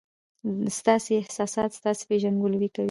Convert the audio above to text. ستاسي احساسات ستاسي پېژندګلوي کوي.